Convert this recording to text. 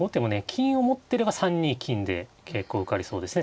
金を持ってれば３二金で結構受かりそうですね。